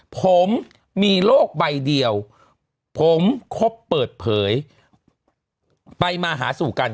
ผมมีโลกใบเดียวผมคบเปิดเผยไปมาหาสู่กัน